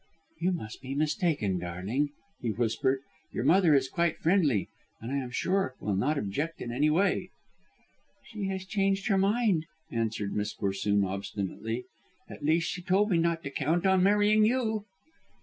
"You must be mistaken, darling," he whispered. "Your mother is quite friendly, and I am sure will not object in any way." "She has changed her mind," answered Miss Corsoon obstinately, "at least, she told me not to count on marrying you."